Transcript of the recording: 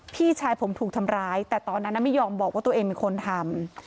พี่ชายผมถูกทำร้ายแต่ตอนนั้นไม่ยอมบอกว่าตัวเองเป็นคนทำ